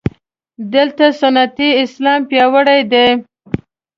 دلته سنتي اسلام پیاوړی دی.